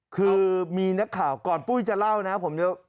คือมีนักข่าวก่อนปุ้ยจะเล่านะครับผม